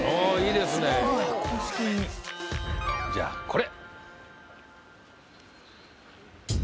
じゃあこれ！